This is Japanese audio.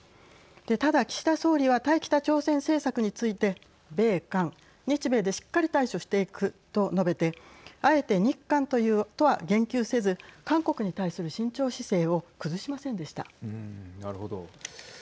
ただ、岸田総理は対北朝鮮政策について米韓、日米でしっかり対処していくと述べてあえて、日韓とは言及せず韓国に対する慎重姿勢をなるほど。